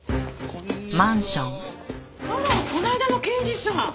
この間の刑事さん。